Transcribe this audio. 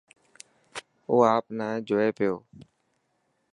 او آپ نا جوئي پيو.